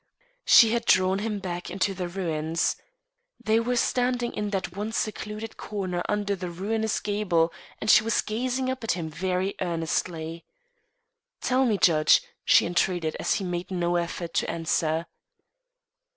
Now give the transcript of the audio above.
She had drawn him back into the ruins. They were standing in that one secluded corner under the ruinous gable, and she was gazing up at him very earnestly. "Tell me, judge," she entreated as he made no effort to answer.